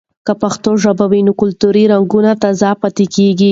که پښتو ژبه وي، نو کلتوري رنګونه تازه پاتې وي.